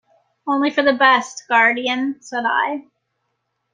"Only for the best, guardian," said I.